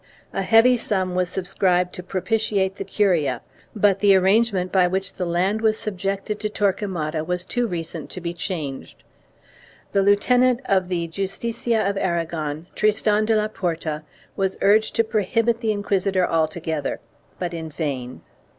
A heavy sum was subscribed to propitiate the curia, but the arrangement by which the land was subjected to Torque mada was too recent to be changed. The lieutenant of the Justicia of Aragon, Tristan de la Porta, was urged to prohibit the Inquisition altogether, but in vain.